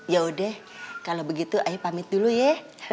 yaudah kalau begitu ayo pamit dulu ya